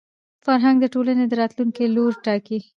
فرهنګ د ټولني د راتلونکي لوری ټاکي.